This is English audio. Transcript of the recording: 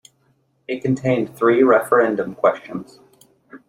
It contained three referendum questions.